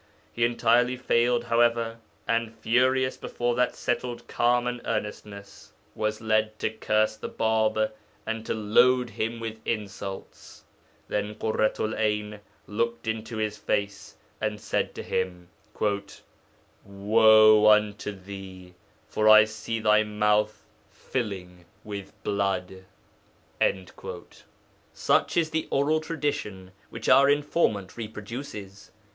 He entirely failed, however, and, furious before that settled calm and earnestness, was led to curse the Bāb and to load him with insults. Then Ḳurratu'l 'Ayn looked into his face, and said to him, "Woe unto thee, for I see thy mouth filling with blood."' Such is the oral tradition which our informant reproduces.